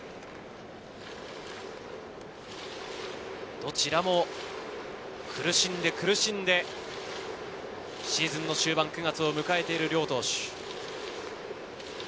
どちらも苦しんで苦しんで、シーズンの終盤、９月を迎えている両投手。